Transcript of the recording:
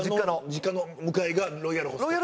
実家の向かいがロイヤルホスト。